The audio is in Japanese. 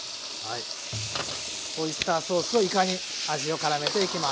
オイスターソースをいかに味を絡めていきます。